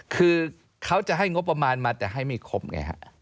คือเขาจะให้งบประมาณมาแต่ให้ไม่ครบไงฮะ